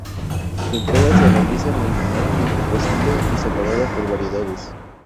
Su entrega se realizará en el menor tiempo posible y separada por variedades.